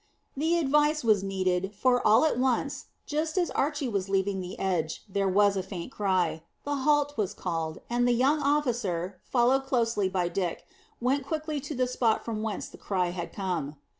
The advice was needed, for all at once, just as Archy was leaving the edge, there was a faint cry; the halt was called, and the young officer, closely followed by Dick, went quickly to the spot from whence the cry had come.